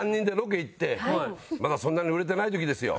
まだそんなに売れてない時ですよ。